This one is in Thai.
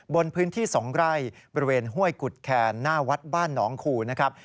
บนพื้นที่๒ไร่บริเวณห้วยกุฎแคนหน้าวัดบ้านหนองคูนะครับ